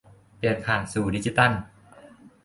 เปลี่ยนผ่านสู่ดิจิทัล